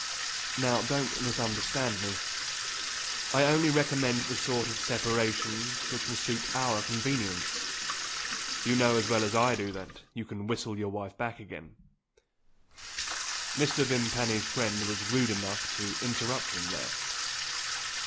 Now don't misunderstand me. I only recommend the sort of separation which will suit our convenience. You know as well as I do that you can whistle your wife back again " Mr. Vimpany's friend was rude enough to interrupt him, there.